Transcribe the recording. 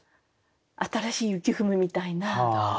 新しい雪踏むみたいな。